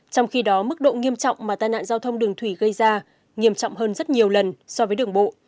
trong khi đó mức độ nghiêm trọng mà tai nạn giao thông đường thủy gây ra nghiêm trọng hơn rất nhiều lần so với đường bộ